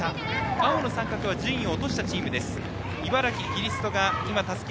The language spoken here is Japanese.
青の三角は順位を落としたチーム。